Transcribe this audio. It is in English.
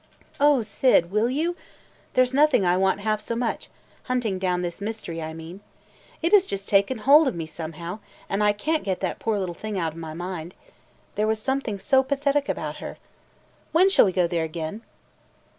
"O Syd, will you? There 's nothing I want half so much – hunting down this mystery, I mean. It has just taken hold of me somehow, and I can't get that poor little thing out of my mind. There was something so pathetic about her. When shall we go out there again?"